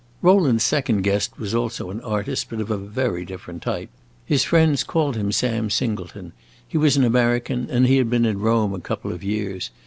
Rowland's second guest was also an artist, but of a very different type. His friends called him Sam Singleton; he was an American, and he had been in Rome a couple of years.